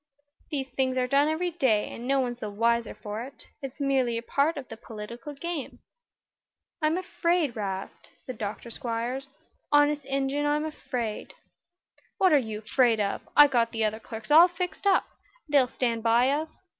"These things are done every day, and no one's the wiser for it. It's merely a part of the political game." "I'm afraid, 'Rast," said Dr. Squiers. "Honest Injun, I'm afraid." "What are you 'fraid of? I've got the other clerks all fixed, and they'll stand by us.